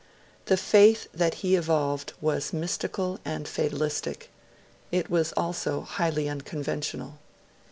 The faith that he evolved was mystical and fatalistic; it was also highly unconventional.